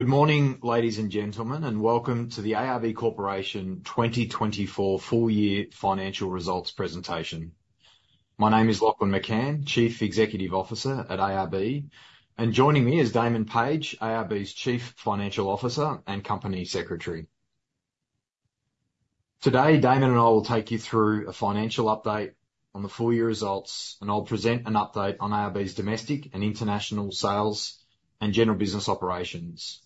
Good morning, ladies and gentlemen, and welcome to the ARB Corporation 2024 Full Year Financial Results Presentation. My name is Lachlan McCann, Chief Executive Officer at ARB, and joining me is Damon Page, ARB's Chief Financial Officer and Company Secretary. Today, Damon and I will take you through a financial update on the full year results, and I'll present an update on ARB's domestic and international sales and general business operations.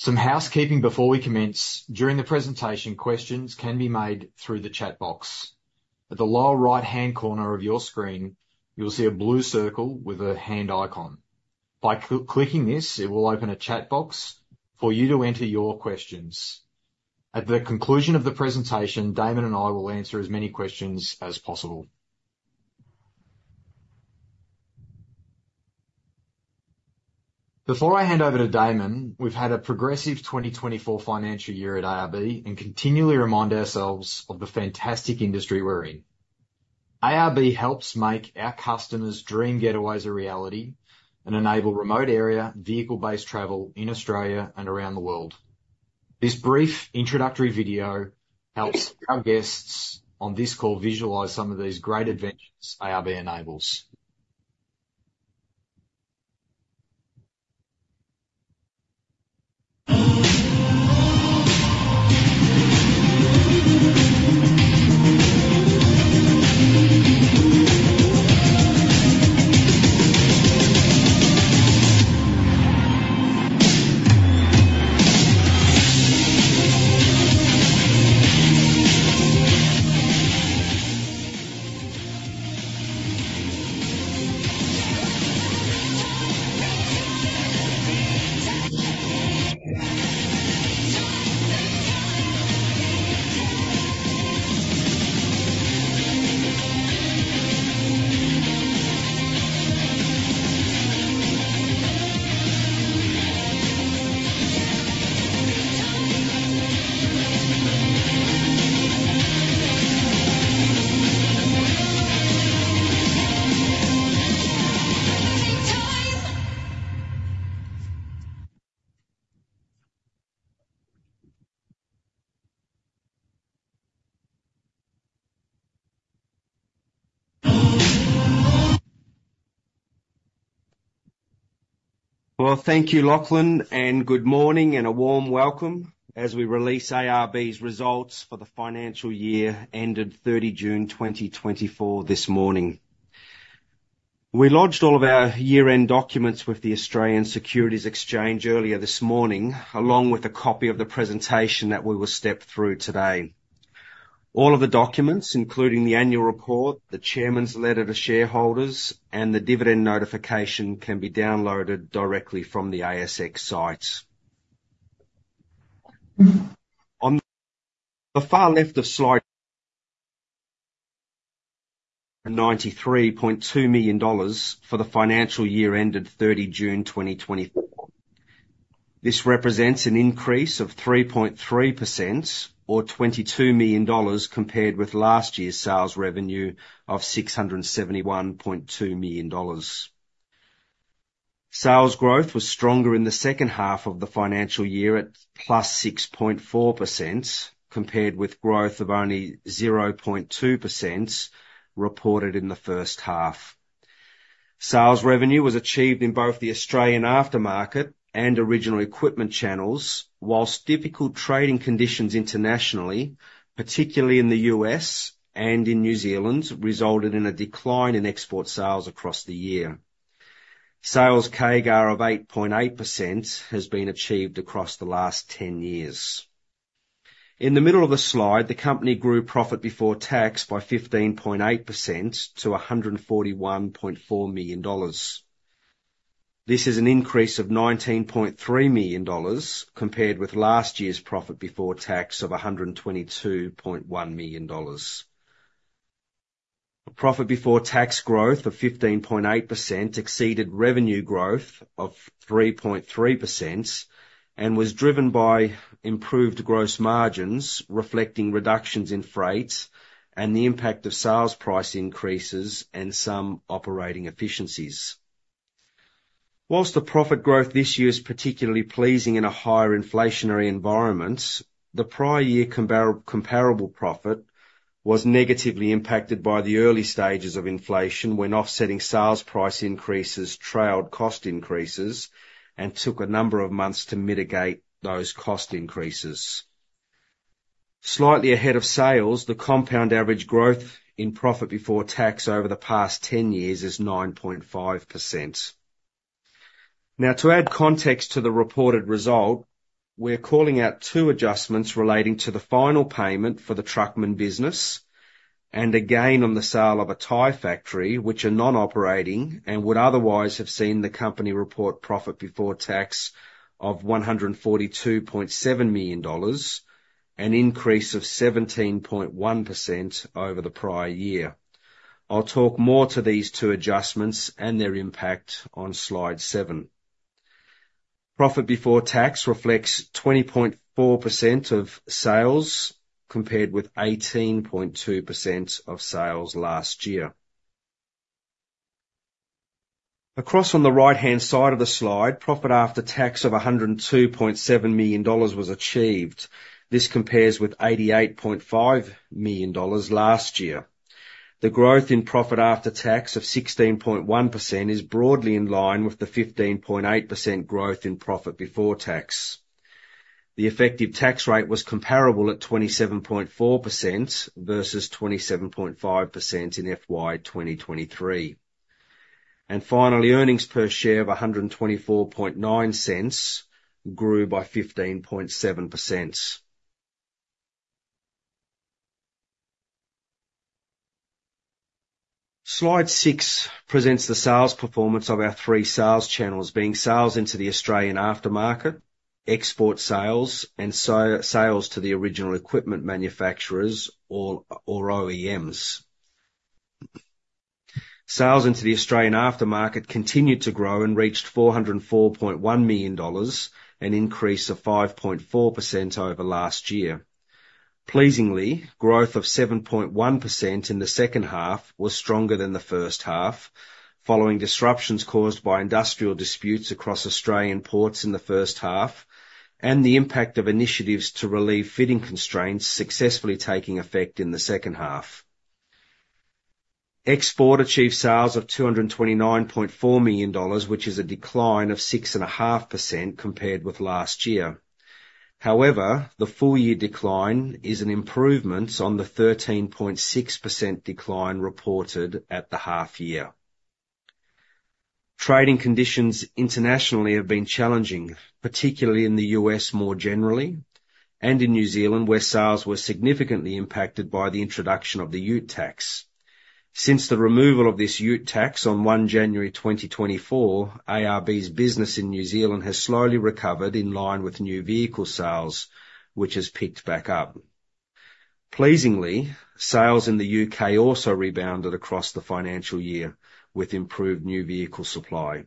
Some housekeeping before we commence. During the presentation, questions can be made through the chat box. At the lower right-hand corner of your screen, you'll see a blue circle with a hand icon. By clicking this, it will open a chat box for you to enter your questions. At the conclusion of the presentation, Damon and I will answer as many questions as possible. Before I hand over to Damon, we've had a progressive 2024 financial year at ARB and continually remind ourselves of the fantastic industry we're in. ARB helps make our customers' dream getaways a reality and enable remote area, vehicle-based travel in Australia and around the world. This brief introductory video helps our guests on this call visualize some of these great adventures ARB enables. Thank you, Lachlan, and good morning and a warm welcome as we release ARB's results for the financial year ended 30 June 2024 this morning. We lodged all of our year-end documents with the Australian Securities Exchange earlier this morning, along with a copy of the presentation that we will step through today. All of the documents, including the annual report, the chairman's letter to shareholders, and the dividend notification, can be downloaded directly from the ASX sites. On the far left of slide... 93.2 million dollars for the financial year ended 30 June 2024. This represents an increase of 3.3% or 22 million dollars compared with last year's sales revenue of 671.2 million dollars. Sales growth was stronger in the second half of the financial year at plus 6.4%, compared with growth of only 0.2% reported in the first half. Sales revenue was achieved in both the Australian aftermarket and original equipment channels, while difficult trading conditions internationally, particularly in the U.S. and in New Zealand, resulted in a decline in export sales across the year. Sales CAGR of 8.8% has been achieved across the last 10 years. In the middle of the slide, the company grew profit before tax by 15.8% to AUD 141.4 million. This is an increase of AUD 19.3 million, compared with last year's profit before tax of AUD 122.1 million. A profit before tax growth of 15.8% exceeded revenue growth of 3.3% and was driven by improved gross margins, reflecting reductions in freight and the impact of sales price increases and some operating efficiencies. While the profit growth this year is particularly pleasing in a higher inflationary environment, the prior year comparable profit was negatively impacted by the early stages of inflation, when offsetting sales price increases trailed cost increases and took a number of months to mitigate those cost increases. Slightly ahead of sales, the compound average growth in profit before tax over the past ten years is 9.5%. Now, to add context to the reported result, we're calling out two adjustments relating to the final payment for the Truckman business and a gain on the sale of a tire factory, which are non-operating and would otherwise have seen the company report profit before tax of 142.7 million dollars, an increase of 17.1% over the prior year. I'll talk more to these two adjustments and their impact on slide seven. Profit before tax reflects 20.4% of sales, compared with 18.2% of sales last year. Across on the right-hand side of the slide, profit after tax of AUD 102.7 million was achieved. This compares with AUD 88.5 million last year. The growth in profit after tax of 16.1% is broadly in line with the 15.8% growth in profit before tax. The effective tax rate was comparable at 27.4% versus 27.5% in FY 2023. Finally, earnings per share of 1.249 grew by 15.7%. Slide 6 presents the sales performance of our three sales channels, being sales into the Australian aftermarket, export sales, and sales to the original equipment manufacturers or OEMs. Sales into the Australian aftermarket continued to grow and reached 404.1 million dollars, an increase of 5.4% over last year. Pleasingly, growth of 7.1% in the second half was stronger than the first half, following disruptions caused by industrial disputes across Australian ports in the first half, and the impact of initiatives to relieve fitting constraints successfully taking effect in the second half. Exports achieved sales of 229.4 million dollars, which is a decline of 6.5% compared with last year. However, the full year decline is an improvement on the 13.6% decline reported at the half year. Trading conditions internationally have been challenging, particularly in the U.S. more generally, and in New Zealand, where sales were significantly impacted by the introduction of the ute tax. Since the removal of this ute tax on 1 January 2024, ARB's business in New Zealand has slowly recovered in line with new vehicle sales, which has picked back up. Pleasingly, sales in the U.K. also rebounded across the financial year with improved new vehicle supply.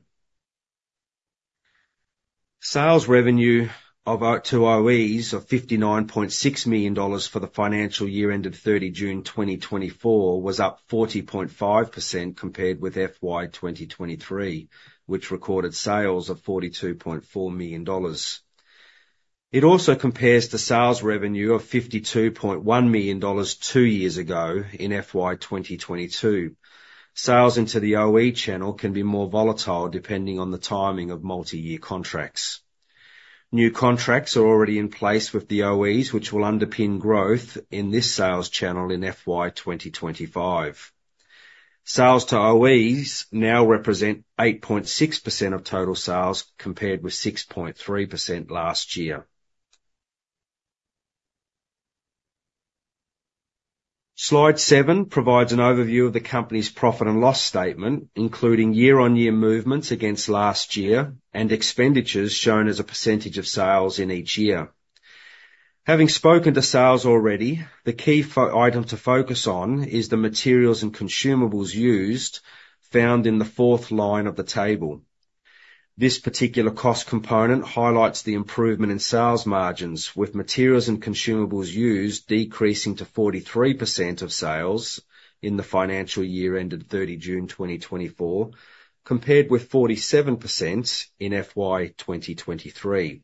Sales revenue of OE to OEs of 59.6 million dollars for the financial year ended 30 June 2024 was up 40.5% compared with FY 2023, which recorded sales of 42.4 million dollars. It also compares to sales revenue of 52.1 million dollars two years ago in FY 2022. Sales into the OE channel can be more volatile depending on the timing of multiyear contracts. New contracts are already in place with the OEs, which will underpin growth in this sales channel in FY 2025. Sales to OEs now represent 8.6% of total sales, compared with 6.3% last year. Slide seven provides an overview of the company's profit and loss statement, including year-on-year movements against last year and expenditures shown as a percentage of sales in each year. Having spoken to sales already, the key item to focus on is the materials and consumables used, found in the fourth line of the table. This particular cost component highlights the improvement in sales margins, with materials and consumables used decreasing to 43% of sales in the financial year ended 30 June 2024, compared with 47% in FY 2023.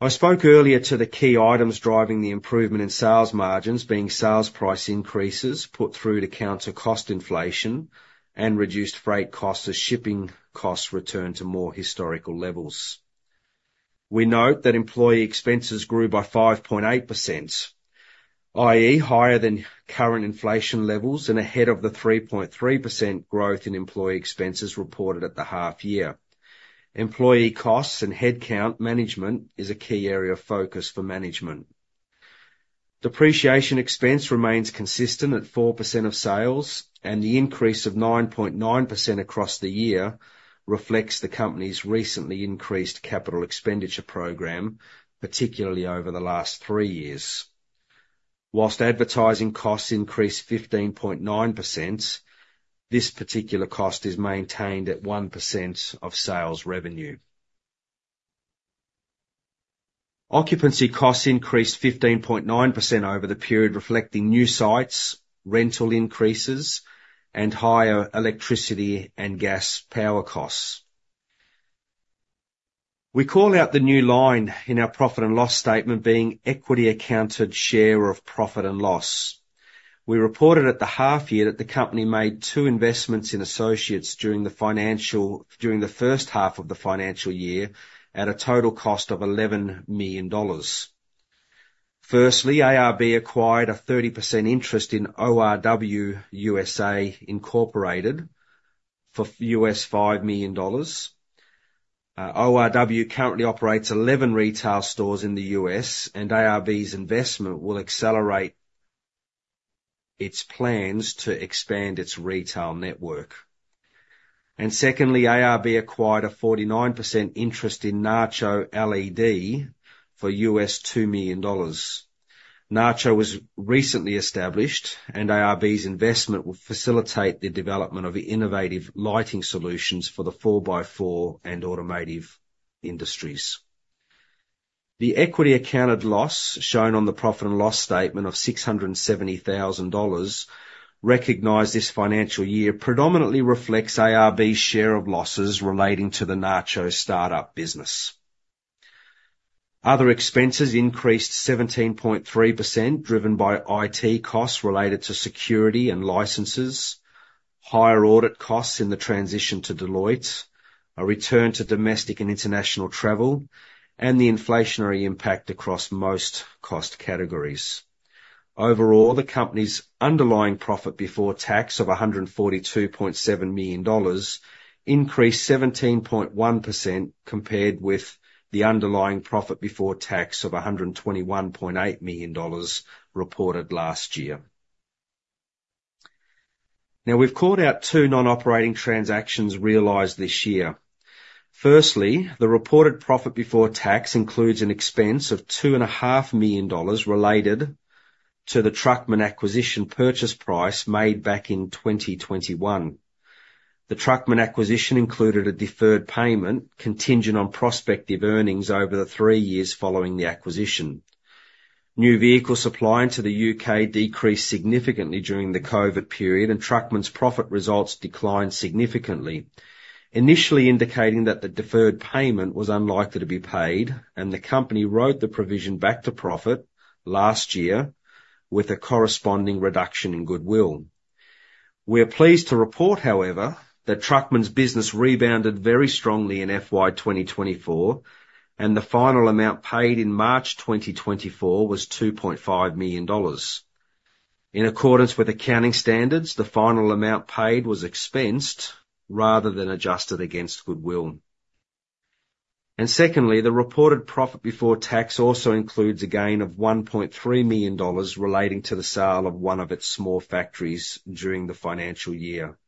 I spoke earlier to the key items driving the improvement in sales margins being sales price increases put through to counter cost inflation and reduced freight costs as shipping costs return to more historical levels. We note that employee expenses grew by 5.8%, i.e., higher than current inflation levels and ahead of the 3.3% growth in employee expenses reported at the half year. Employee costs and headcount management is a key area of focus for management. Depreciation expense remains consistent at 4% of sales, and the increase of 9.9% across the year reflects the company's recently increased capital expenditure program, particularly over the last three years. While advertising costs increased 15.9%, this particular cost is maintained at 1% of sales revenue. Occupancy costs increased 15.9% over the period, reflecting new sites, rental increases, and higher electricity and gas power costs. We call out the new line in our profit and loss statement being equity accounted share of profit and loss. We reported at the half year that the company made two investments in associates during the first half of the financial year at a total cost of 11 million dollars. Firstly, ARB acquired a 30% interest in ORW USA Incorporated for $5 million. ORW currently operates 11 retail stores in the U.S., and ARB's investment will accelerate its plans to expand its retail network. And secondly, ARB acquired a 49% interest in Nacho LED for $2 million. Nacho was recently established, and ARB's investment will facilitate the development of innovative lighting solutions for the four by four and automotive industries. The equity accounted loss shown on the profit and loss statement of 670,000 dollars, recognized this financial year, predominantly reflects ARB's share of losses relating to the Nacho start-up business. Other expenses increased 17.3%, driven by IT costs related to security and licenses, higher audit costs in the transition to Deloitte, a return to domestic and international travel, and the inflationary impact across most cost categories. Overall, the company's underlying profit before tax of 142.7 million dollars increased 17.1% compared with the underlying profit before tax of AUD 121.8 million reported last year. Now, we've called out two non-operating transactions realized this year. Firstly, the reported profit before tax includes an expense of 2.5 million dollars related to the Truckman acquisition purchase price made back in 2021. The Truckman acquisition included a deferred payment contingent on prospective earnings over the three years following the acquisition. New vehicle supply into the U.K. decreased significantly during the COVID period, and Truckman's profit results declined significantly, initially indicating that the deferred payment was unlikely to be paid, and the company wrote the provision back to profit last year with a corresponding reduction in goodwill. We are pleased to report, however, that Truckman's business rebounded very strongly in FY 2024, and the final amount paid in March 2024 was 2.5 million dollars. In accordance with accounting standards, the final amount paid was expensed rather than adjusted against goodwill. Secondly, the reported profit before tax also includes a gain of 1.3 million dollars relating to the sale of one of its small factories during the financial year.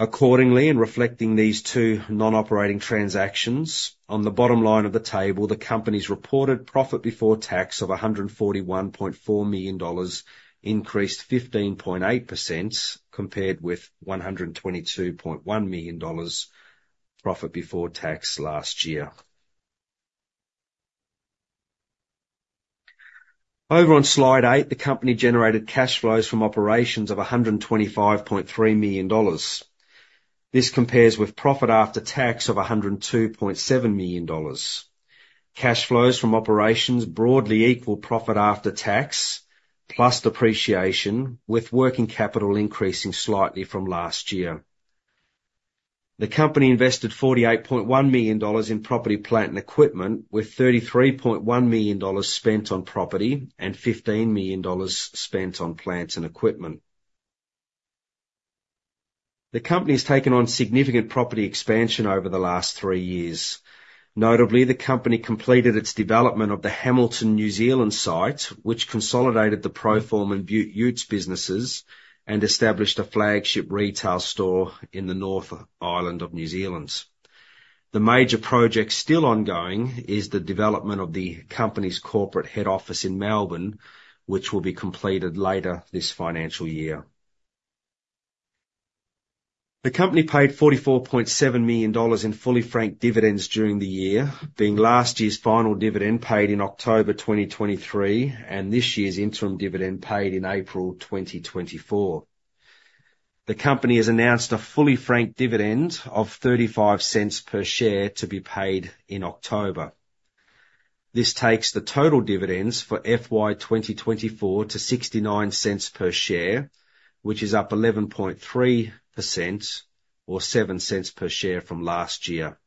Accordingly, in reflecting these two non-operating transactions, on the bottom line of the table, the company's reported profit before tax of 141.4 million dollars increased 15.8%, compared with 122.1 million dollars profit before tax last year. Over on Slide 8, the company generated cash flows from operations of 125.3 million dollars. This compares with profit after tax of 102.7 million dollars. Cash flows from operations broadly equal profit after tax, plus depreciation, with working capital increasing slightly from last year. The company invested 48.1 million dollars in property, plant, and equipment, with 33.1 million dollars spent on property and 15 million dollars spent on plant and equipment. The company's taken on significant property expansion over the last three years. Notably, the company completed its development of the Hamilton, New Zealand site, which consolidated the Proform and Beaut Utes businesses and established a flagship retail store in the North Island of New Zealand. The major project still ongoing is the development of the company's corporate head office in Melbourne, which will be completed later this financial year. The company paid 44.7 million dollars in fully franked dividends during the year, being last year's final dividend paid in October 2023, and this year's interim dividend paid in April 2024. The company has announced a fully franked dividend of 0.35 per share to be paid in October. This takes the total dividends for FY 2024 to 0.69 per share, which is up 11.3% or 0.07 per share from last year.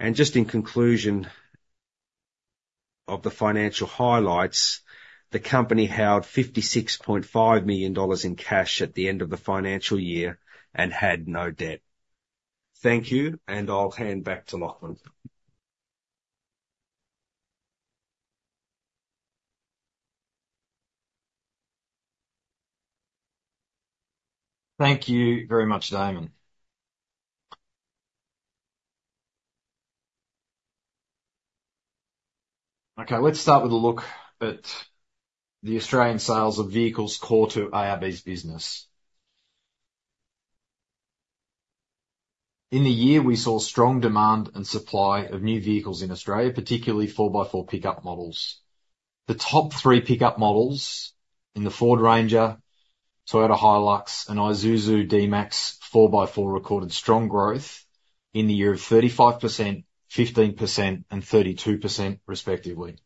And just in conclusion of the financial highlights, the company held 56.5 million dollars in cash at the end of the financial year and had no debt. Thank you, and I'll hand back to Lachlan. Thank you very much, Damon. Okay, let's start with a look at the Australian sales of vehicles core to ARB's business. In the year, we saw strong demand and supply of new vehicles in Australia, particularly four by four pickup models. The top three pickup models in the Ford Ranger, Toyota HiLux, and Isuzu D-Max four by four recorded strong growth in the year of 35%, 15%, and 32% respectively.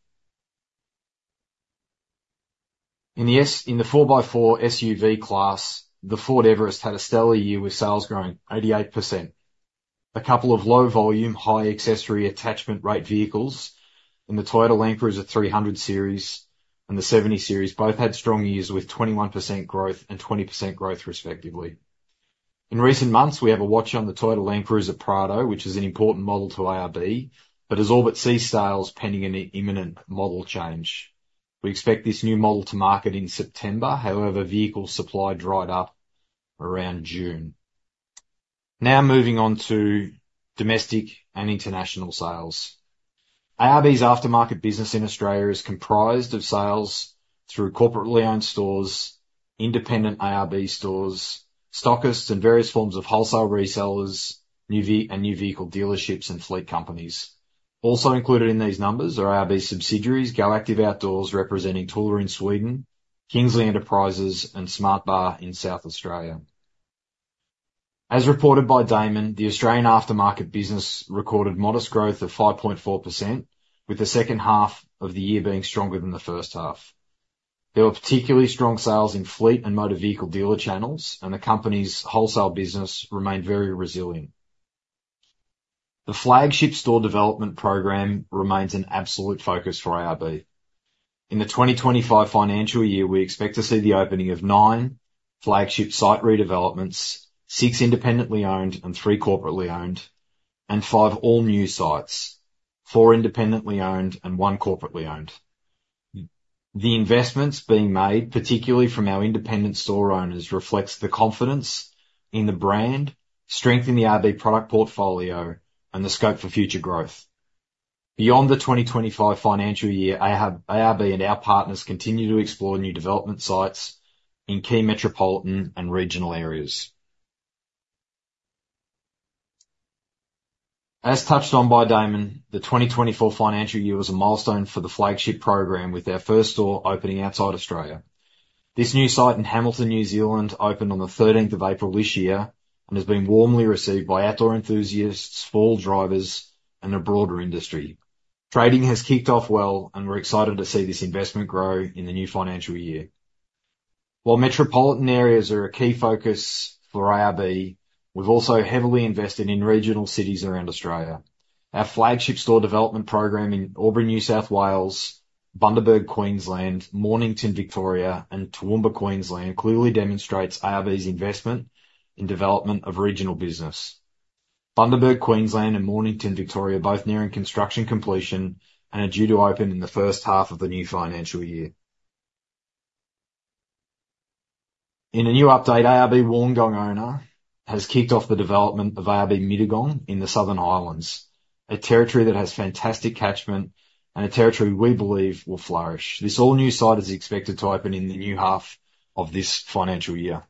In the four by four SUV class, the Ford Everest had a stellar year, with sales growing 88%. A couple of low volume, high accessory attachment rate vehicles, and the Toyota Land Cruiser 300 Series and the 70 Series, both had strong years with 21% growth and 20% growth, respectively.In recent months, we have a watch on the Toyota Land Cruiser Prado, which is an important model to ARB, but has all but ceased sales pending an imminent model change. We expect this new model to market in September, however, vehicle supply dried up around June. Now moving on to domestic and international sales. ARB's aftermarket business in Australia is comprised of sales through corporately-owned stores, independent ARB stores, stockists, and various forms of wholesale resellers, new vehicle dealerships and fleet companies. Also included in these numbers are ARB subsidiaries, Go Active Outdoors, representing Thule in Australia, Kingsley Enterprises, and SmartBar in South Australia. As reported by Damon, the Australian aftermarket business recorded modest growth of 5.4%, with the second half of the year being stronger than the first half. There were particularly strong sales in fleet and motor vehicle dealer channels, and the company's wholesale business remained very resilient. The flagship store development program remains an absolute focus for ARB. In the 2025 financial year, we expect to see the opening of nine flagship site redevelopments, six independently owned and three corporately owned, and five all-new sites, four independently owned and one corporately owned. The investments being made, particularly from our independent store owners, reflects the confidence in the brand, strength in the ARB product portfolio, and the scope for future growth. Beyond the 2025 financial year, ARB and our partners continue to explore new development sites in key metropolitan and regional areas. As touched on by Damon, the 2024 financial year was a milestone for the flagship program, with our first store opening outside Australia.This new site in Hamilton, New Zealand, opened on the thirteenth of April this year and has been warmly received by outdoor enthusiasts, four-wheel drivers, and the broader industry. Trading has kicked off well, and we're excited to see this investment grow in the new financial year. While metropolitan areas are a key focus for ARB, we've also heavily invested in regional cities around Australia. Our flagship store development program in Albury, New South Wales, Bundaberg, Queensland, Mornington, Victoria, and Toowoomba, Queensland, clearly demonstrates ARB's investment in development of regional business. Bundaberg, Queensland and Mornington, Victoria, are both nearing construction completion and are due to open in the first half of the new financial year. In a new update, ARB Wollongong owner has kicked off the development of ARB Mittagong in the Southern Highlands, a territory that has fantastic catchment and a territory we believe will flourish. This all-new site is expected to open in the new half of this financial year.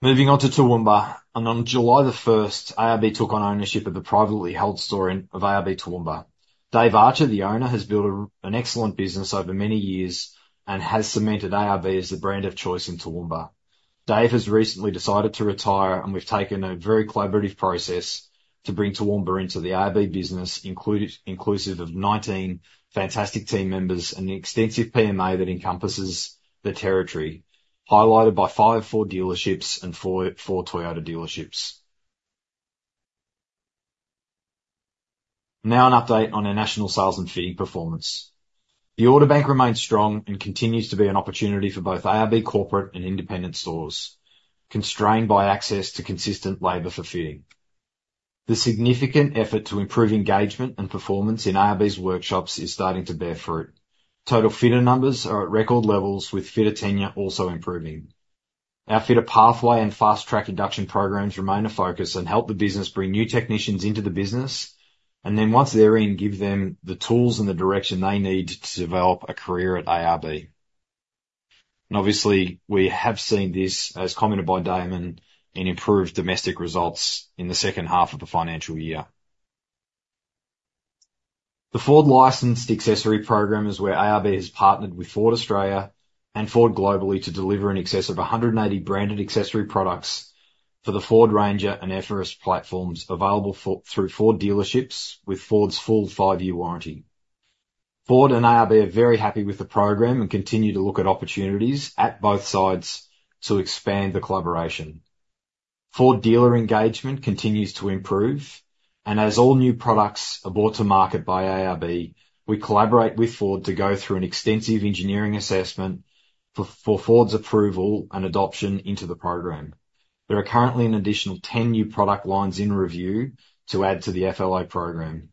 Moving on to Toowoomba, and on July the first, ARB took on ownership of the privately held store of ARB Toowoomba. Dave Archer, the owner, has built an excellent business over many years and has cemented ARB as the brand of choice in Toowoomba. Dave has recently decided to retire, and we've taken a very collaborative process to bring Toowoomba into the ARB business, inclusive of 19 fantastic team members and the extensive PMA that encompasses the territory, highlighted by five Ford dealerships and four Toyota dealerships. Now, an update on our national sales and fitting performance. The order bank remains strong and continues to be an opportunity for both ARB corporate and independent stores, constrained by access to consistent labor for fitting. The significant effort to improve engagement and performance in ARB's workshops is starting to bear fruit. Total fitter numbers are at record levels, with fitter tenure also improving. Our Fitter Pathway and Fast Track induction programs remain a focus and help the business bring new technicians into the business, and then once they're in, give them the tools and the direction they need to develop a career at ARB. And obviously, we have seen this, as commented by Damon, in improved domestic results in the second half of the financial year. The Ford Licensed Accessory Program is where ARB has partnered with Ford Australia and Ford globally to deliver in excess of 180 branded accessory products for the Ford Ranger and Everest platforms, available through Ford dealerships with Ford's full five-year warranty. Ford and ARB are very happy with the program and continue to look at opportunities at both sides to expand the collaboration. Ford dealer engagement continues to improve, and as all new products are brought to market by ARB, we collaborate with Ford to go through an extensive engineering assessment for Ford's approval and adoption into the program. There are currently an additional 10 new product lines in review to add to the FLA program.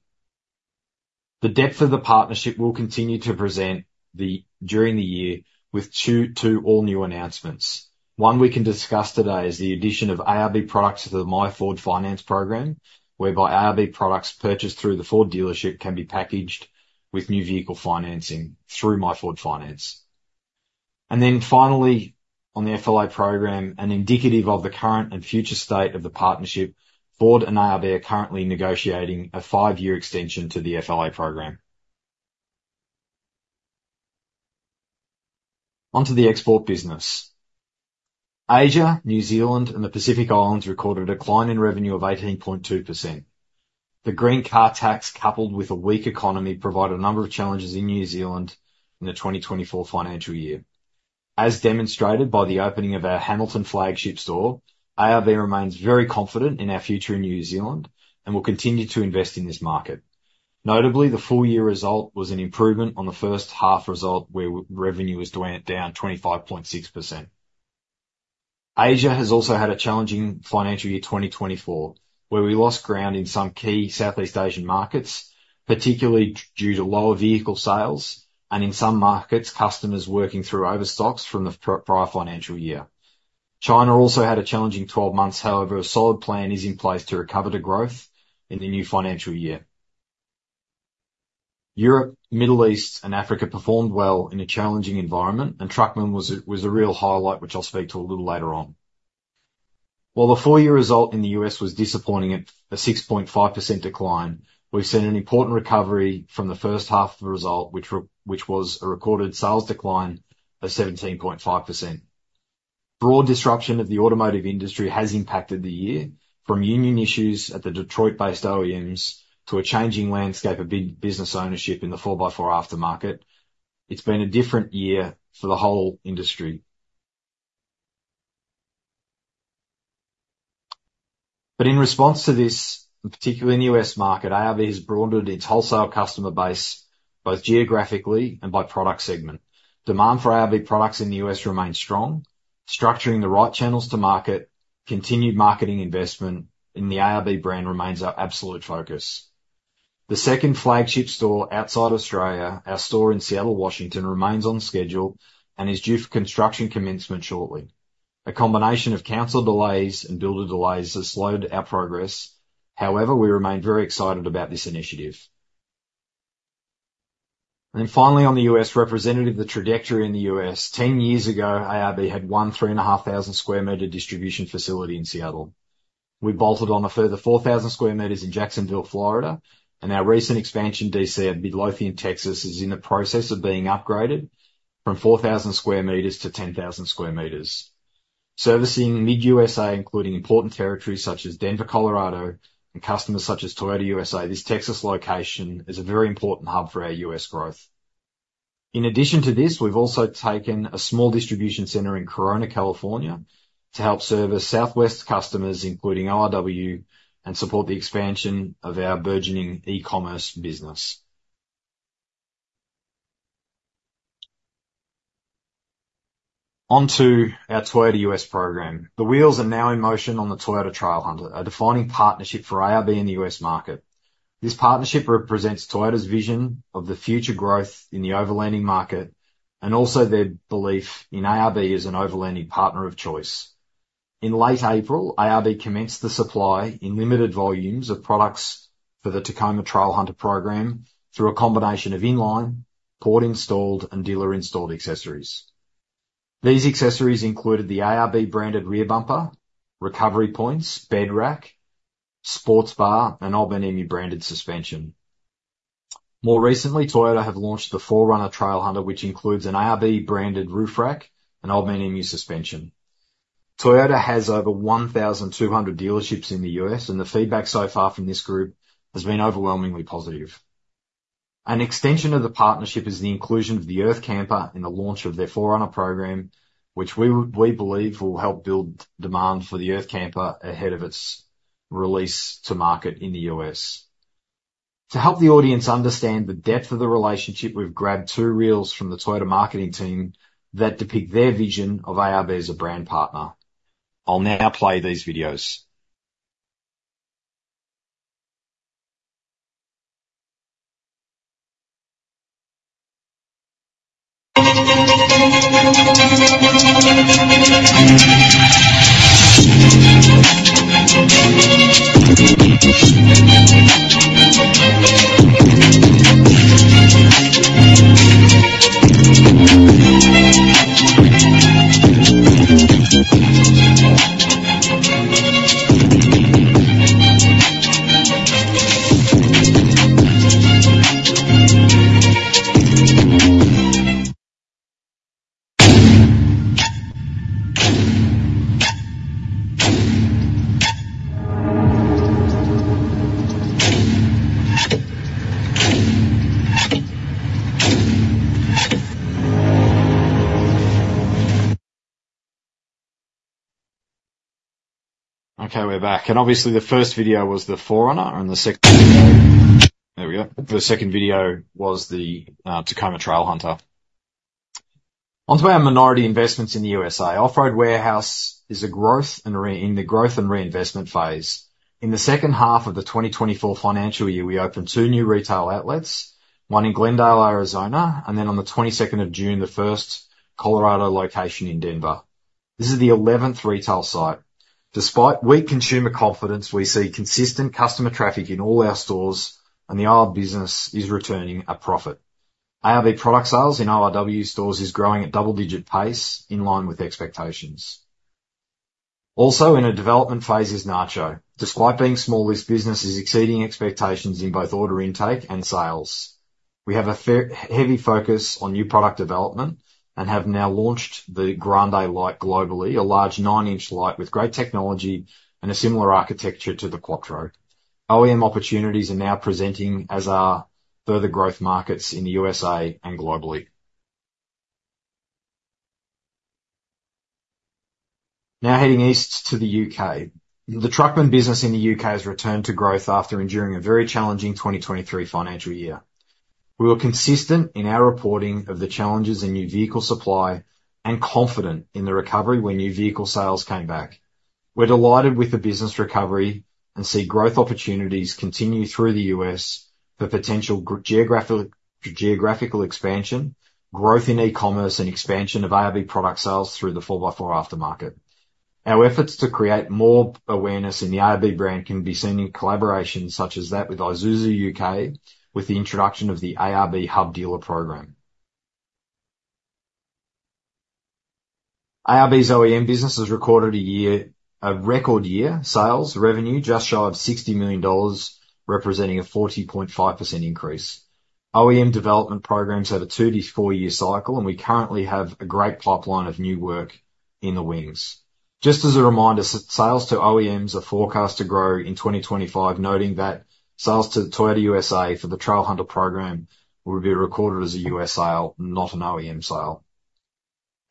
The depth of the partnership will continue to present during the year with two all-new announcements. One we can discuss today is the addition of ARB products to the MyFord Finance program, whereby ARB products purchased through the Ford dealership can be packaged with new vehicle financing through MyFord Finance. And then finally, on the FLA program, and indicative of the current and future state of the partnership, Ford and ARB are currently negotiating a five-year extension to the FLA program. Onto the export business. Asia, New Zealand, and the Pacific Islands recorded a decline in revenue of 18.2%. The Green Car Tax, coupled with a weak economy, provided a number of challenges in New Zealand in the 2024 financial year. As demonstrated by the opening of our Hamilton flagship store, ARB remains very confident in our future in New Zealand and will continue to invest in this market. Notably, the full year result was an improvement on the first half result, where revenue was down 25.6%.Asia has also had a challenging financial year, 2024, where we lost ground in some key Southeast Asian markets, particularly due to lower vehicle sales, and in some markets, customers working through overstocks from the prior financial year. China also had a challenging twelve months. However, a solid plan is in place to recover the growth in the new financial year. Europe, Middle East, and Africa performed well in a challenging environment, and Truckman was a real highlight, which I'll speak to a little later on. While the full year result in the U.S. was disappointing at a 6.5% decline, we've seen an important recovery from the first half of the result, which was a recorded sales decline of 17.5%. Broad disruption of the automotive industry has impacted the year, from union issues at the Detroit-based OEMs to a changing landscape of independent business ownership in the four by four aftermarket. It's been a different year for the whole industry, but in response to this, and particularly in the US market, ARB has broadened its wholesale customer base, both geographically and by product segment. Demand for ARB products in the U.S. remains strong. Structuring the right channels to market, continued marketing investment in the ARB brand remains our absolute focus. The second flagship store outside Australia, our store in Seattle, Washington, remains on schedule and is due for construction commencement shortly. A combination of council delays and builder delays has slowed our progress. However, we remain very excited about this initiative. And then finally, on the U.S., representative of the trajectory in the U.S., 10 years ago, ARB had one 3,500-square-meter distribution facility in Seattle. We bolted on a further 4,000 square meters in Jacksonville, Florida, and our recent expansion DC at Midlothian, Texas, is in the process of being upgraded from 4,000 square meters to 10,000 square meters. Servicing mid-U.S., including important territories such as Denver, Colorado, and customers such as Toyota USA, this Texas location is a very important hub for our US growth. In addition to this, we've also taken a small distribution center in Corona, California, to help service Southwest customers, including ORW, and support the expansion of our burgeoning e-commerce business. Onto our Toyota US program. The wheels are now in motion on the Toyota Trailhunter, a defining partnership for ARB in the US market. This partnership represents Toyota's vision of the future growth in the overlanding market, and also their belief in ARB as an overlanding partner of choice. In late April, ARB commenced the supply in limited volumes of products for the Tacoma Trailhunter program through a combination of in-line, port installed, and dealer-installed accessories. These accessories included the ARB branded rear bumper, recovery points, bed rack, sports bar and Old Man Emu branded suspension. More recently, Toyota have launched the 4Runner Trailhunter, which includes an ARB branded roof rack and Old Man Emu suspension. Toyota has over 1,200 dealerships in the U.S., and the feedback so far from this group has been overwhelmingly positive. An extension of the partnership is the inclusion of the Earth Camper in the launch of their 4Runner program, which we believe will help build demand for the Earth Camper ahead of its release to market in the U.S. To help the audience understand the depth of the relationship, we've grabbed two reels from the Toyota marketing team that depict their vision of ARB as a brand partner. I'll now play these videos. Okay, we're back. And obviously, the first video was the 4Runner and the second. There we go. The second video was the Tacoma Trailhunter. Onto our minority investments in the USA. Off-Road Warehouse is in the growth and reinvestment phase. In the second half of the 2024 financial year, we opened two new retail outlets, one in Glendale, Arizona, and then on the 22nd of June, the first Colorado location in Denver. This is the eleventh retail site. Despite weak consumer confidence, we see consistent customer traffic in all our stores, and the ARB business is returning a profit. ARB product sales in ORW stores is growing at double-digit pace in line with expectations. Also, in a development phase is Nacho. Despite being small, this business is exceeding expectations in both order intake and sales. We have a fairly heavy focus on new product development and have now launched the Grande Light globally, a large nine-inch light with great technology and a similar architecture to the Quatro. OEM opportunities are now presenting, as are further growth markets in the USA and globally. Now heading east to the U.K. The Truckman business in the U.K. has returned to growth after enduring a very challenging 2023 financial year. We were consistent in our reporting of the challenges in new vehicle supply and confident in the recovery when new vehicle sales came back. We're delighted with the business recovery and see growth opportunities continue through the U.S. for potential geographical expansion, growth in e-commerce and expansion of ARB product sales through the four by four aftermarket.... Our efforts to create more awareness in the ARB brand can be seen in collaborations such as that with Isuzu U.K., with the introduction of the ARB Hub Dealer program. ARB's OEM business has recorded a record year sales revenue, just shy of 60 million dollars, representing a 40.5% increase. OEM development programs have a 2-4-year cycle, and we currently have a great pipeline of new work in the wings. Just as a reminder, sales to OEMs are forecast to grow in 2025, noting that sales to Toyota USA for the Trailhunter program will be recorded as a US sale, not an OEM sale.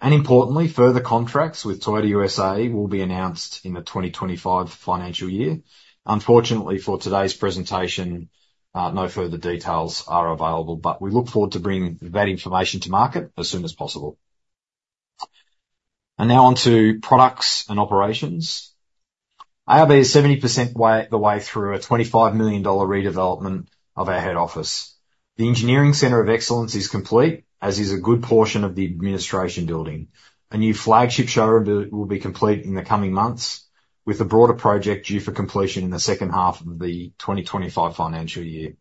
Importantly, further contracts with Toyota USA will be announced in the 2025 financial year. Unfortunately, for today's presentation, no further details are available, but we look forward to bringing that information to market as soon as possible. Now on to products and operations. ARB is 70% of the way through a 25 million dollar redevelopment of our head office. The Engineering Center of Excellence is complete, as is a good portion of the administration building.A new flagship showroom will be complete in the coming months, with the broader project due for completion in the second half of the 2025 financial year.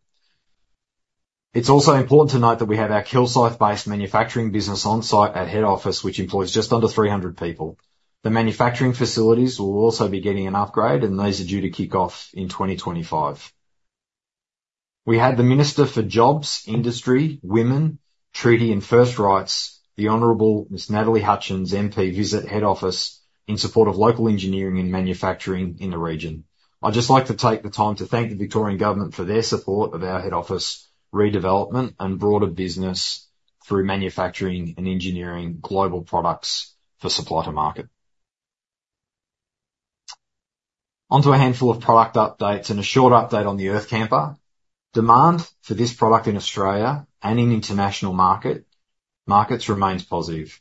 It's also important to note that we have our Kilsyth-based manufacturing business on site at head office, which employs just under 300 people. The manufacturing facilities will also be getting an upgrade, and these are due to kick off in 2025. We had the Minister for Jobs, Industry, Women, Treaty, and First Peoples, the Honorable Ms. Natalie Hutchins, MP, visit head office in support of local engineering and manufacturing in the region. I'd just like to take the time to thank the Victorian government for their support of our head office redevelopment and broader business through manufacturing and engineering global products for supply to market. On to a handful of product updates and a short update on the Earth Camper. Demand for this product in Australia and in international markets remains positive.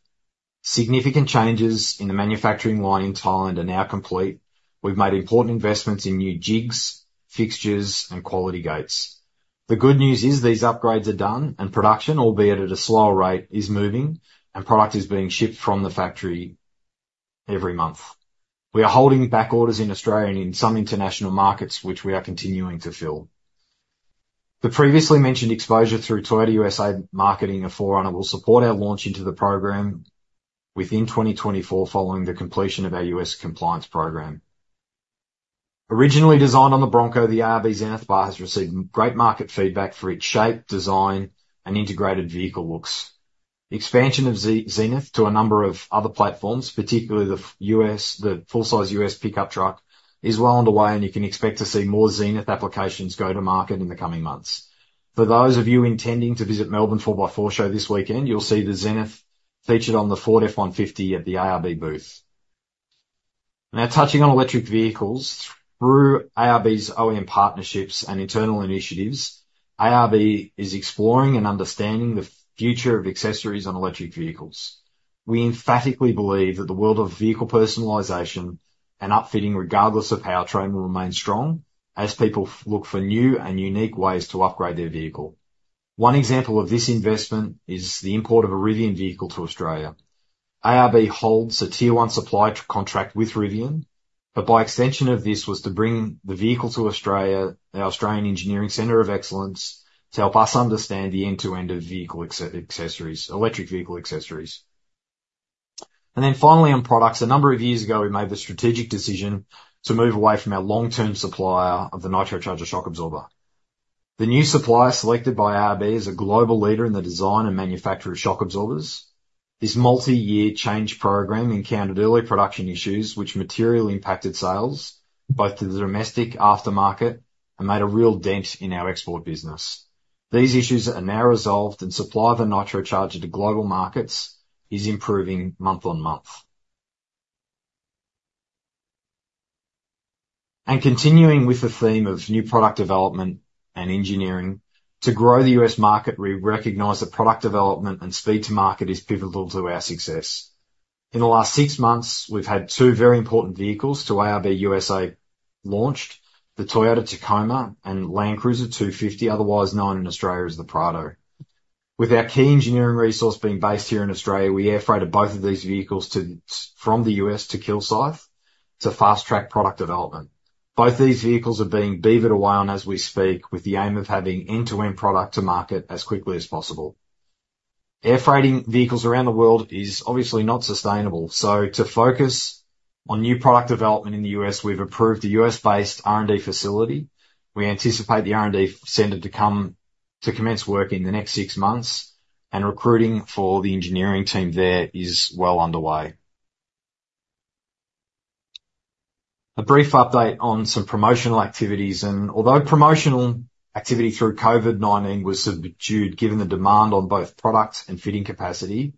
Significant changes in the manufacturing line in Thailand are now complete. We've made important investments in new jigs, fixtures, and quality gates. The good news is these upgrades are done and production, albeit at a slower rate, is moving, and product is being shipped from the factory every month. We are holding back orders in Australia and in some international markets, which we are continuing to fill. The previously mentioned exposure through Toyota USA marketing of 4Runner will support our launch into the program within 2024, following the completion of our US compliance program. Originally designed on the Bronco, the ARB Zenith bar has received great market feedback for its shape, design, and integrated vehicle looks. The expansion of Zenith to a number of other platforms, particularly the full-size US pickup truck, is well underway, and you can expect to see more Zenith applications go to market in the coming months. For those of you intending to visit Melbourne 4x4 Show this weekend, you'll see the Zenith featured on the Ford F-150 at the ARB booth. Now, touching on electric vehicles. Through ARB's OEM partnerships and internal initiatives, ARB is exploring and understanding the future of accessories on electric vehicles. We emphatically believe that the world of vehicle personalization and upfitting, regardless of powertrain, will remain strong as people look for new and unique ways to upgrade their vehicle. One example of this investment is the import of a Rivian vehicle to Australia.ARB holds a Tier 1 supply contract with Rivian, but by extension of this was to bring the vehicle to Australia, the Australian Engineering Center of Excellence, to help us understand the end-to-end of vehicle accessories - electric vehicle accessories. And then finally, on products. A number of years ago, we made the strategic decision to move away from our long-term supplier of the Nitrocharger shock absorber. The new supplier selected by ARB is a global leader in the design and manufacture of shock absorbers. This multi-year change program encountered early production issues, which materially impacted sales both to the domestic aftermarket, and made a real dent in our export business. These issues are now resolved, and supply of the Nitrocharger to global markets is improving month on month. Continuing with the theme of new product development and engineering, to grow the US market, we recognize that product development and speed to market is pivotal to our success. In the last six months, we've had two very important vehicles to ARB USA launched, the Toyota Tacoma and Land Cruiser 250, otherwise known in Australia as the Prado. With our key engineering resource being based here in Australia, we air freighted both of these vehicles from the U.S. to Kilsyth, to fast-track product development. Both these vehicles are being beavered away on as we speak, with the aim of having end-to-end product to market as quickly as possible. Air freighting vehicles around the world is obviously not sustainable, so to focus on new product development in the U.S., we've approved a US-based R&D facility. We anticipate the R&D center to commence work in the next six months, and recruiting for the engineering team there is well underway. A brief update on some promotional activities, and although promotional activity through COVID-19 was subdued, given the demand on both product and fitting capacity,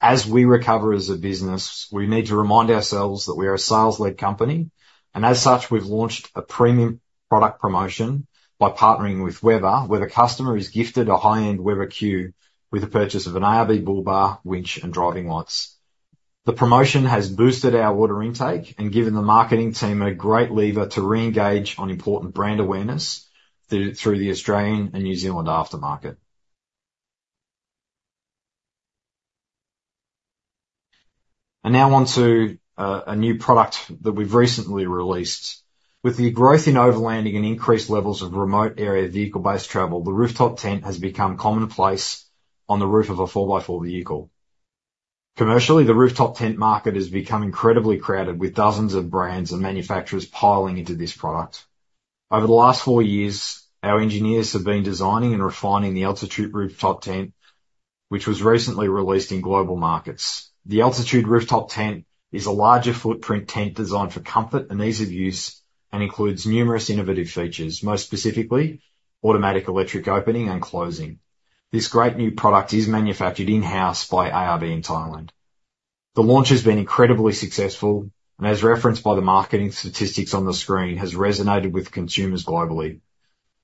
as we recover as a business, we need to remind ourselves that we are a sales-led company, and as such, we've launched a premium product promotion by partnering with Weber. Where the customer is gifted a high-end Weber Q with the purchase of an ARB bullbar, winch, and driving lights. The promotion has boosted our order intake and given the marketing team a great lever to reengage on important brand awareness through the Australian and New Zealand aftermarket. And now on to a new product that we've recently released. With the growth in overlanding and increased levels of remote area vehicle-based travel, the rooftop tent has become commonplace on the roof of a four by four vehicle. Commercially, the rooftop tent market has become incredibly crowded, with dozens of brands and manufacturers piling into this product. Over the last four years, our engineers have been designing and refining the Altitude Rooftop Tent, which was recently released in global markets. The Altitude Rooftop Tent is a larger footprint tent designed for comfort and ease of use, and includes numerous innovative features, most specifically, automatic electric opening and closing. This great new product is manufactured in-house by ARB in Thailand. The launch has been incredibly successful, and as referenced by the marketing statistics on the screen, has resonated with consumers globally.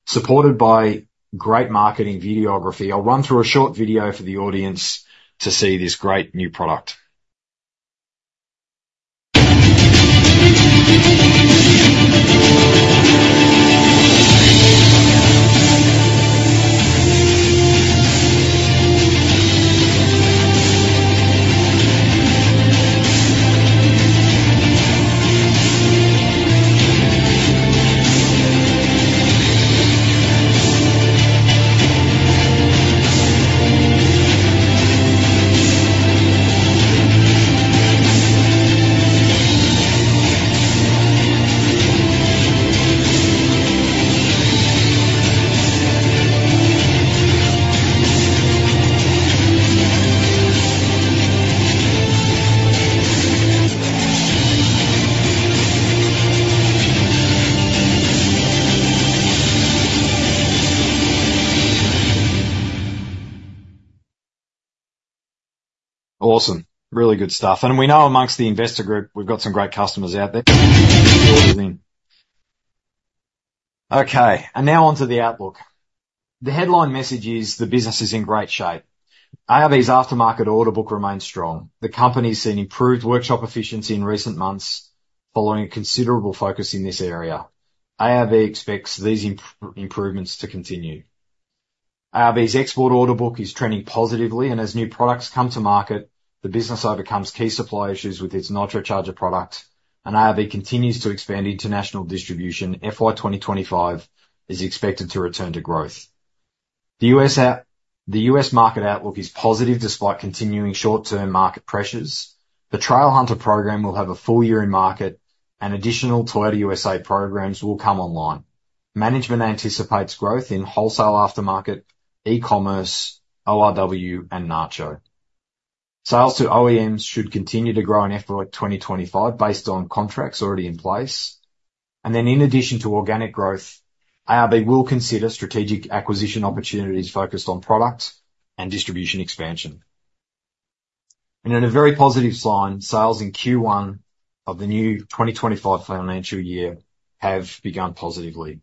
Supported by great marketing videography, I'll run through a short video for the audience to see this great new product. Awesome! Really good stuff. And we know among the investor group, we've got some great customers out there. Okay, and now on to the outlook. The headline message is: the business is in great shape. ARB's aftermarket order book remains strong. The company's seen improved workshop efficiency in recent months following a considerable focus in this area. ARB expects these improvements to continue. ARB's export order book is trending positively, and as new products come to market, the business overcomes key supply issues with its Nitrocharger product, and ARB continues to expand international distribution. FY 2025 is expected to return to growth. The US market outlook is positive despite continuing short-term market pressures. The Trailhunter program will have a full year in market, and additional Toyota USA programs will come online. Management anticipates growth in wholesale aftermarket, e-commerce, ORW and Nacho. Sales to OEMs should continue to grow in FY 2025, based on contracts already in place, and then in addition to organic growth, ARB will consider strategic acquisition opportunities focused on product and distribution expansion, and in a very positive sign, sales in Q1 of the new 2025 financial year have begun positively.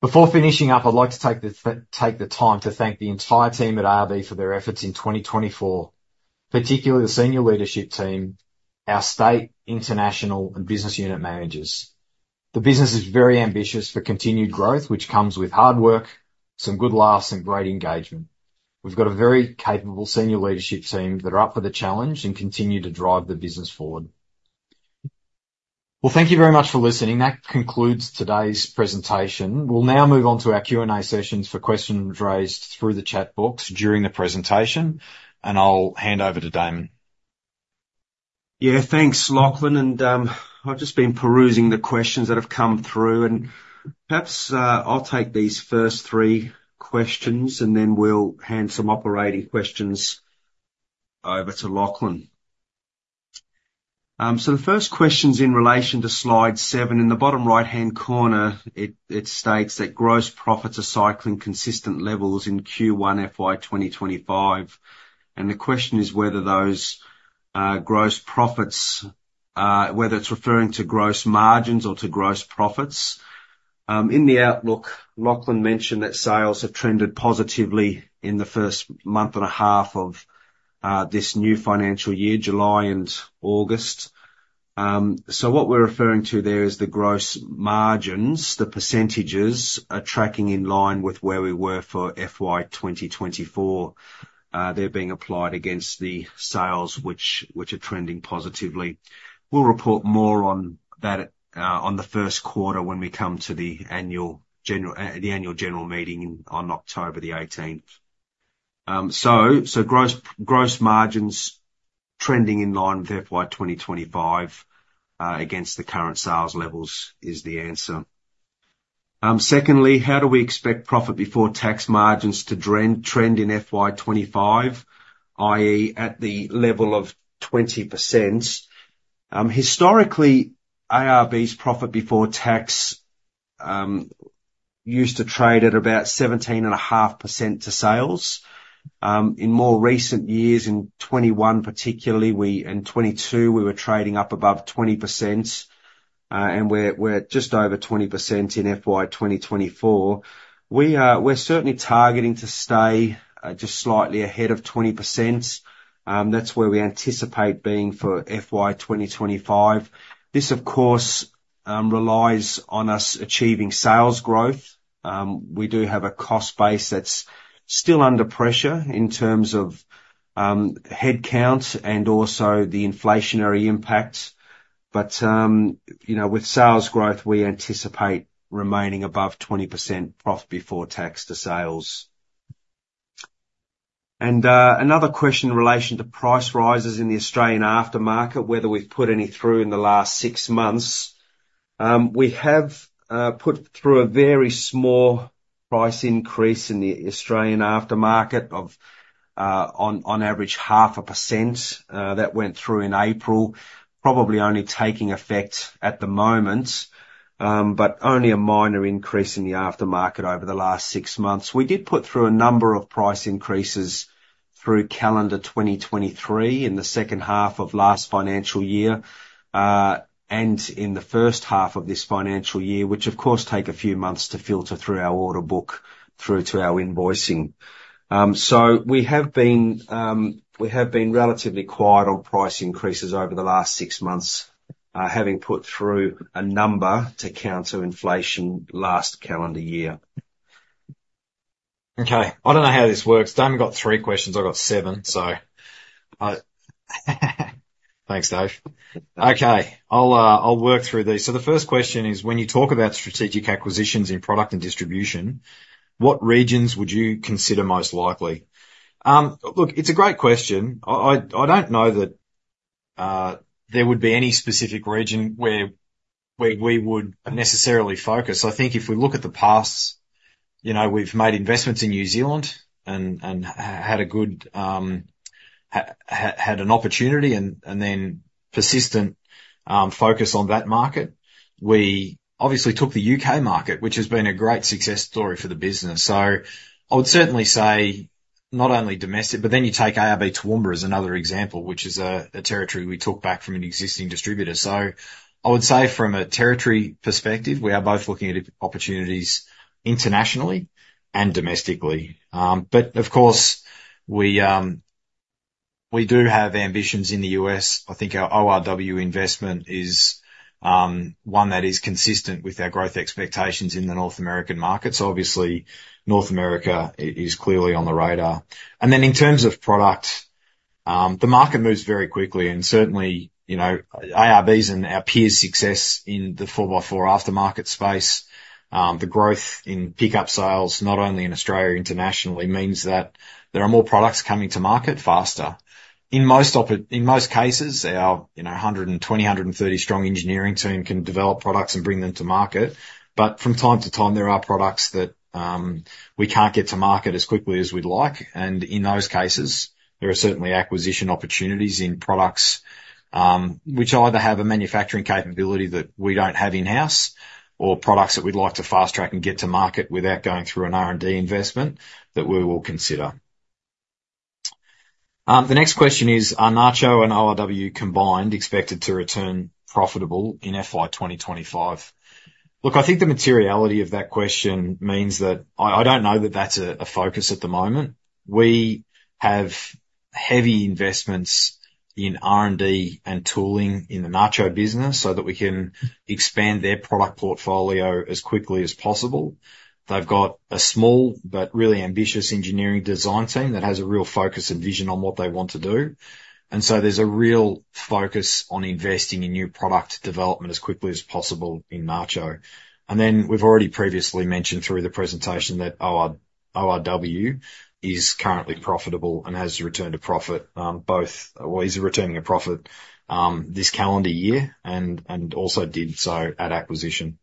Before finishing up, I'd like to take the time to thank the entire team at ARB for their efforts in 2024, particularly the senior leadership team, our state, international, and business unit managers. The business is very ambitious for continued growth, which comes with hard work, some good laughs, and great engagement. We've got a very capable senior leadership team that are up for the challenge and continue to drive the business forward. Well, thank you very much for listening. That concludes today's presentation. We'll now move on to our Q&A sessions for questions raised through the chat box during the presentation, and I'll hand over to Damon. Yeah, thanks, Lachlan, and I've just been perusing the questions that have come through, and perhaps I'll take these first three questions, and then we'll hand some operating questions over to Lachlan. So the first question's in relation to Slide 7. In the bottom right-hand corner, it states that, "Gross profits are cycling consistent levels in Q1 FY 2025." And the question is whether those gross profits whether it's referring to gross margins or to gross profits? In the outlook, Lachlan mentioned that sales have trended positively in the first month and a half of this new financial year, July and August. So what we're referring to there is the gross margins. The percentages are tracking in line with where we were for FY 2024. They're being applied against the sales, which are trending positively. We'll report more on that, on the first quarter, when we come to the annual general meeting on October the eighteenth. So gross margins trending in line with FY 2025 against the current sales levels is the answer. Secondly, how do we expect profit before tax margins to trend in FY 2025, i.e., at the level of 20%? Historically, ARB's profit before tax used to trade at about 17.5% to sales. In more recent years, in 2021 particularly, in 2022, we were trading up above 20%, and we're at just over 20% in FY 2024. We are, we're certainly targeting to stay just slightly ahead of 20%. That's where we anticipate being for FY 2025. This, of course relies on us achieving sales growth. We do have a cost base that's still under pressure in terms of headcount and also the inflationary impact. But you know, with sales growth, we anticipate remaining above 20% profit before tax to sales. Another question in relation to price rises in the Australian aftermarket, whether we've put any through in the last six months. We have put through a very small price increase in the Australian aftermarket of on average 0.5%, that went through in April, probably only taking effect at the moment, but only a minor increase in the aftermarket over the last six months. We did put through a number of price increases through calendar 2023, in the second half of last financial year, and in the first half of this financial year. Which of course take a few months to filter through our order book through to our invoicing, so we have been relatively quiet on price increases over the last six months, having put through a number to counter inflation last calendar year. Okay, I don't know how this works. Dave got three questions, I've got seven, so thanks, Dave. Okay, I'll work through these, so the first question is, when you talk about strategic acquisitions in product and distribution, what regions would you consider most likely? Look, it's a great question. I don't know that there would be any specific region where we would necessarily focus. I think if we look at the past, you know, we've made investments in New Zealand and had a good opportunity and then persistent focus on that market. We obviously took the UK market, which has been a great success story for the business, so I would certainly say, not only domestic, but then you take ARB Toowoomba as another example, which is a territory we took back from an existing distributor. I would say from a territory perspective, we are both looking at opportunities internationally and domestically, but of course, we do have ambitions in the U.S.. I think our ORW investment is one that is consistent with our growth expectations in the North American markets. Obviously, North America is clearly on the radar. And then in terms of product, the market moves very quickly and certainly, you know, ARBs and our peers' success in the four by four aftermarket space, the growth in pickup sales, not only in Australia, internationally, means that there are more products coming to market faster. In most cases, our, you know, 120, 130-strong engineering team can develop products and bring them to market. But from time to time, there are products that, we can't get to market as quickly as we'd like, and in those cases, there are certainly acquisition opportunities in products, which either have a manufacturing capability that we don't have in-house, or products that we'd like to fast-track and get to market without going through an R&D investment, that we will consider. The next question is: Are Nacho and ORW combined expected to return profitable in FY 2025? Look, I think the materiality of that question means that I don't know that that's a focus at the moment. We have heavy investments in R&D and tooling in the Nacho business so that we can expand their product portfolio as quickly as possible. They've got a small but really ambitious engineering design team that has a real focus and vision on what they want to do, and so there's a real focus on investing in new product development as quickly as possible in Nacho. And then, we've already previously mentioned through the presentation that ORW is currently profitable and has returned to profit, well, is returning a profit this calendar year and also did so at acquisition.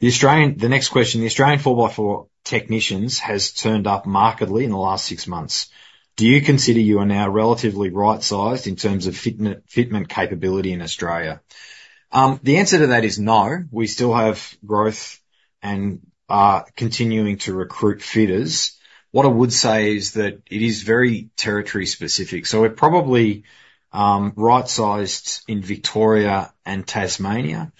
The Australian... The next question: The Australian four by four technicians has turned up markedly in the last six months. Do you consider you are now relatively right-sized in terms of fitment, fitment capability in Australia? The answer to that is no. We still have growth and are continuing to recruit fitters. What I would say is that it is very territory-specific, so we're probably right-sized in Victoria and Tasmania.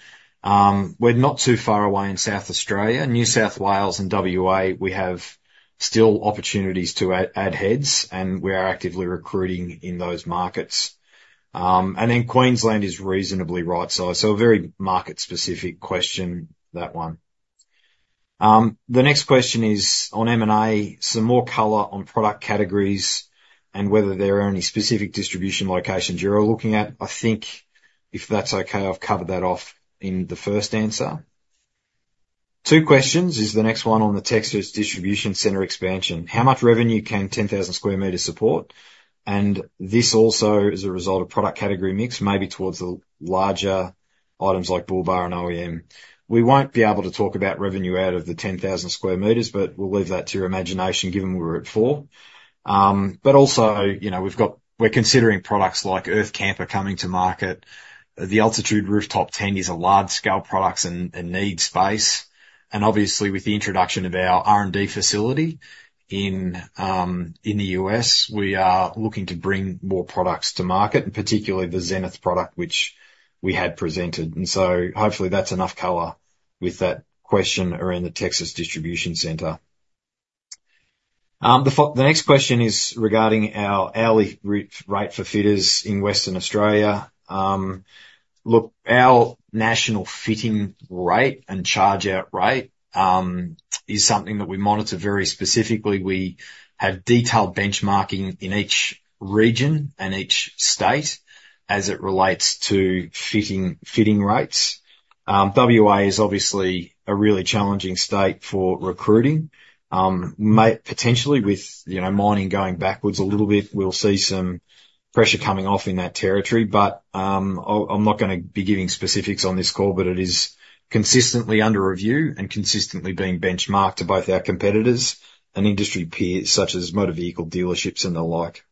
We're not too far away in South Australia, New South Wales and WA, we have still opportunities to add heads, and we are actively recruiting in those markets. And then Queensland is reasonably right-sized, so a very market-specific question, that one. The next question is on M&A. Some more color on product categories and whether there are any specific distribution locations you're looking at? I think if that's okay, I've covered that off in the first answer. Two questions is the next one on the Texas distribution center expansion. How much revenue can 10,000 square meters support? And this also is a result of product category mix, maybe towards the larger items like bull bar and OEM. We won't be able to talk about revenue out of the 10,000 square meters, but we'll leave that to your imagination, given we're at four. But also, you know, we've got- we're considering products like Earth Camper coming to market. The Altitude Rooftop Tent is a large-scale products and needs space. And obviously, with the introduction of our R&D facility in, in the U.S., we are looking to bring more products to market, and particularly the Zenith product, which we had presented. And so hopefully, that's enough color with that question around the Texas distribution center. The next question is regarding our hourly rate for fitters in Western Australia. Look, our national fitting rate and charge-out rate is something that we monitor very specifically. We have detailed benchmarking in each region and each state as it relates to fitting rates. WA is obviously a really challenging state for recruiting. Potentially with, you know, mining going backwards a little bit, we'll see some pressure coming off in that territory, but I, I'm not gonna be giving specifics on this call, but it is consistently under review and consistently being benchmarked to both our competitors and industry peers, such as motor vehicle dealerships and the like.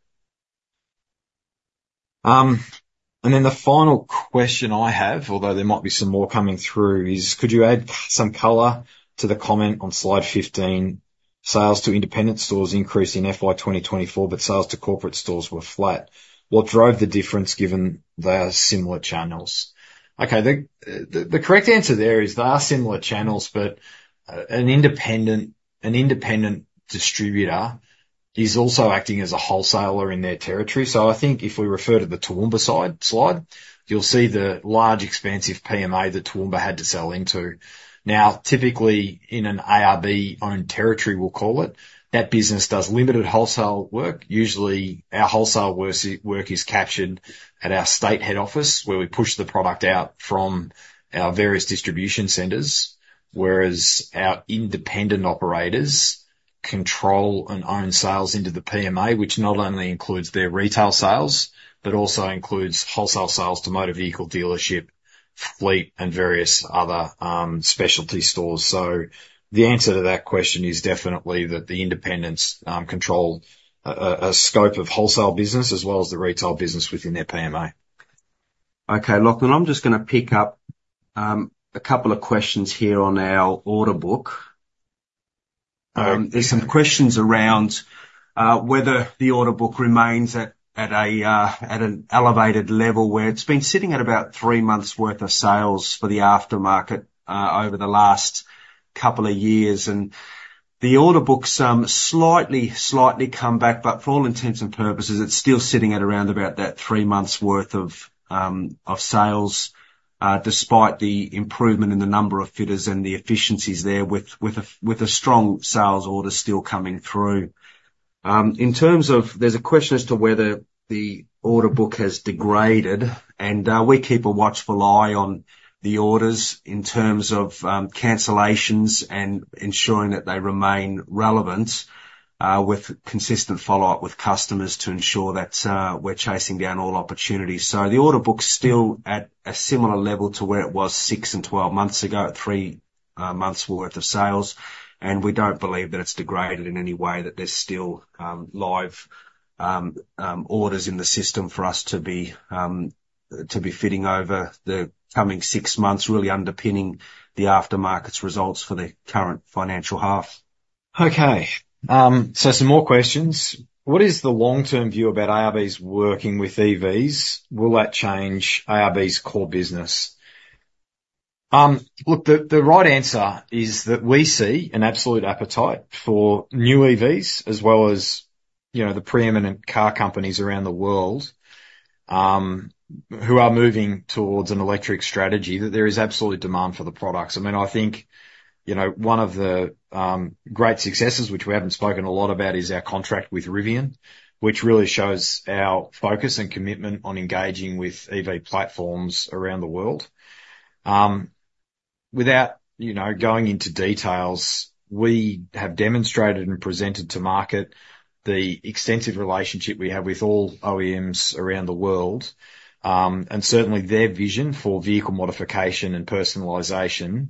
Then the final question I have, although there might be some more coming through, is: Could you add some color to the comment on slide 15, sales to independent stores increased in FY 2024, but sales to corporate stores were flat. What drove the difference, given they are similar channels? Okay, the correct answer there is, they are similar channels, but an independent distributor is also acting as a wholesaler in their territory. So I think if we refer to the Toowoomba slide, you'll see the large, expansive PMA that Toowoomba had to sell into. Now, typically in an ARB-owned territory, we'll call it, that business does limited wholesale work. Usually, our wholesale work is captured at our state head office, where we push the product out from our various distribution centers, whereas our independent operators control and own sales into the PMA, which not only includes their retail sales, but also includes wholesale sales to motor vehicle dealership, fleet, and various other, specialty stores. So the answer to that question is definitely that the independents control a scope of wholesale business as well as the retail business within their PMA. Okay, Lachlan, I'm just gonna pick up a couple of questions here on our order book. Okay. There's some questions around whether the order book remains at an elevated level, where it's been sitting at about three months' worth of sales for the aftermarket over the last couple of years. And the order book's slightly come back, but for all intents and purposes, it's still sitting at around about that three months' worth of sales despite the improvement in the number of fitters and the efficiencies there with a strong sales order still coming through. There's a question as to whether the order book has degraded, and we keep a watchful eye on the orders in terms of cancellations and ensuring that they remain relevant with consistent follow-up with customers to ensure that we're chasing down all opportunities. So the order book's still at a similar level to where it was six and 12 months ago, at three months worth of sales, and we don't believe that it's degraded in any way, that there's still live orders in the system for us to be fitting over the coming six months, really underpinning the aftermarket's results for the current financial half. Okay, so some more questions: What is the long-term view about ARB's working with EVs? Will that change ARB's core business? Look, the right answer is that we see an absolute appetite for new EVs, as well as, you know, the pre-eminent car companies around the world, who are moving towards an electric strategy, that there is absolutely demand for the products. I mean, I think, you know, one of the great successes, which we haven't spoken a lot about, is our contract with Rivian. Which really shows our focus and commitment on engaging with EV platforms around the world. Without, you know, going into details, we have demonstrated and presented to market the extensive relationship we have with all OEMs around the world. And certainly, their vision for vehicle modification and personalization,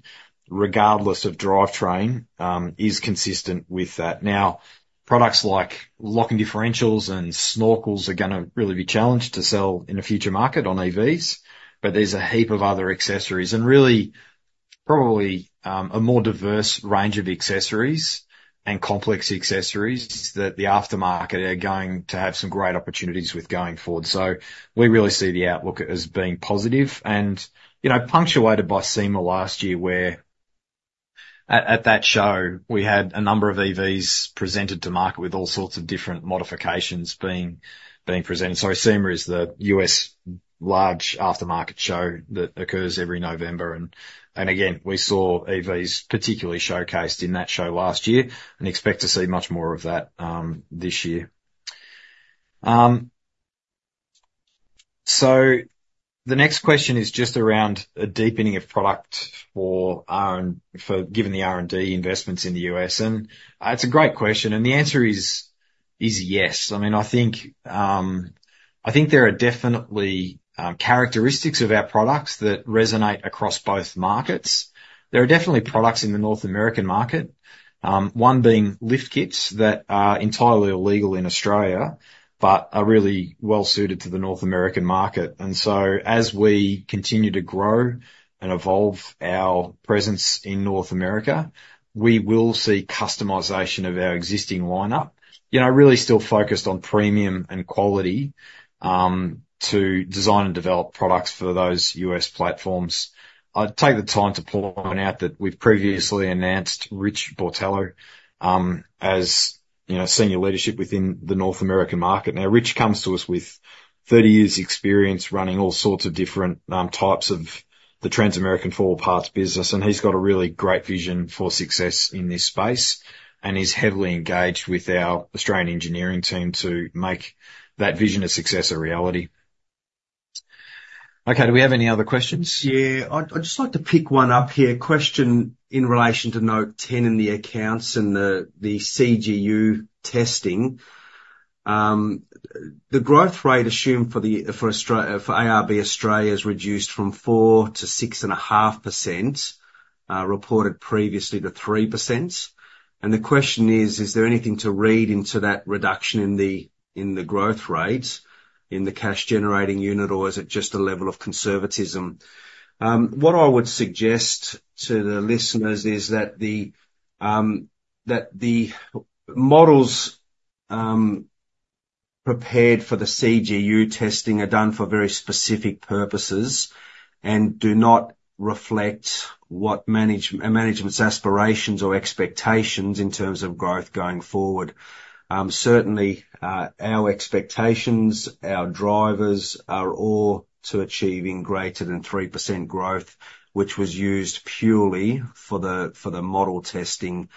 regardless of drivetrain, is consistent with that. Now, products like locking differentials and snorkels are gonna really be challenged to sell in a future market on EVs, but there's a heap of other accessories and really, probably, a more diverse range of accessories and complex accessories that the aftermarket are going to have some great opportunities with going forward. So we really see the outlook as being positive and, you know, punctuated by SEMA last year, where at that show, we had a number of EVs presented to market with all sorts of different modifications being presented. Sorry, SEMA is the US large aftermarket show that occurs every November, and again, we saw EVs particularly showcased in that show last year and expect to see much more of that, this year. So the next question is just around a deepening of product for ARB and regarding the R&D investments in the U.S., and it's a great question, and the answer is yes. I mean, I think there are definitely characteristics of our products that resonate across both markets. There are definitely products in the North American market, one being lift kits, that are entirely illegal in Australia, but are really well suited to the North American market. And so, as we continue to grow and evolve our presence in North America, we will see customization of our existing lineup. You know, really still focused on premium and quality, to design and develop products for those US platforms. I'd take the time to point out that we've previously announced Rick Botello, as, you know, senior leadership within the North American market. Now, Rich comes to us with 30 years' experience running all sorts of different types of the Transamerican Auto Parts business, and he's got a really great vision for success in this space, and he's heavily engaged with our Australian engineering team to make that vision of success a reality. Okay, do we have any other questions? Yeah, I'd just like to pick one up here. Question in relation to Note 10 in the accounts and the CGU testing. The growth rate assumed for ARB Australia is reduced from 4%-6.5% reported previously to 3%. And the question is: Is there anything to read into that reduction in the growth rates in the cash-generating unit, or is it just a level of conservatism? What I would suggest to the listeners is that the models prepared for the CGU testing are done for very specific purposes and do not reflect what management's aspirations or expectations in terms of growth going forward. Certainly, our expectations, our drivers, are all to achieving greater than 3% growth, which was used purely for the model testing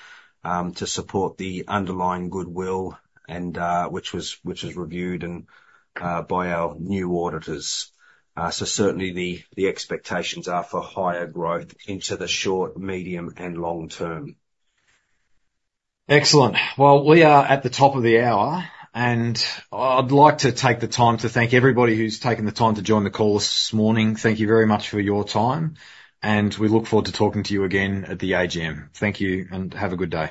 to support the underlying goodwill and... Which was reviewed and by our new auditors. So certainly, the expectations are for higher growth into the short, medium, and long term. Excellent. We are at the top of the hour, and I'd like to take the time to thank everybody who's taken the time to join the call this morning. Thank you very much for your time, and we look forward to talking to you again at the AGM. Thank you, and have a good day.